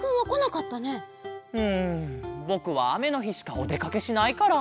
うんぼくはあめのひしかおでかけしないから。